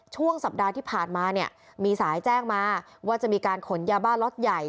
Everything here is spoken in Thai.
ช่วงสัปดาห์ที่ผ่านมาเนี่ยมีสายแจ้งมาว่าจะมีการขนยาบ้าล็อตใหญ่